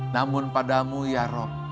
namun padamu ya roh